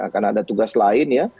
karena ada tugas lain ya